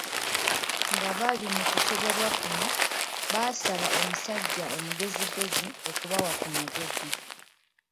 Nga bali mu kusoberwa kuno, baasaba omusajja omugezigezi okubawa ku magezi.